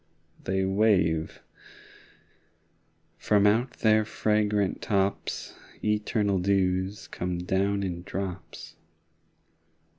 They wave: from out their fragrant tops Eternal dews come down in drops.